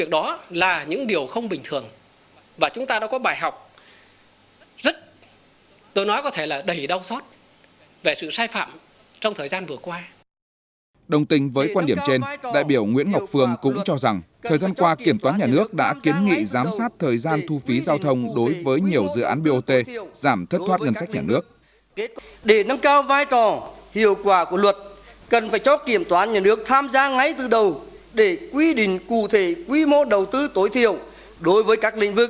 đồng tình với quan điểm trên đại biểu nguyễn ngọc phương cũng cho rằng thời gian qua kiểm toán nhà nước đã kiến nghị giám sát thời gian thu phí giao thông đối với nhiều dự án bot giảm thất thoát ngân sách nhà nước